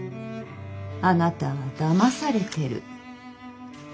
あなたはだまされてる。